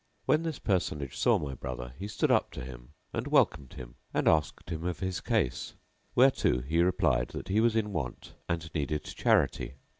When this personage saw my brother he stood up to him and welcomed him and asked him of his case; whereto he replied that he was in want and needed charity.